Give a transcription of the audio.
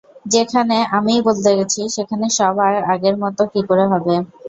যেখানে আমিই বদলে গেছি, সেখানে সব আর আগের মত কী করে হবে?